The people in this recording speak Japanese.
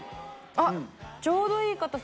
あっちょうどいい硬さ。